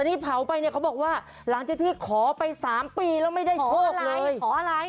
ตอนนี้เผาไปเขาบอกว่าหลังจากที่ขอไป๓ปีแล้วไม่ได้โชคเลยขออะไร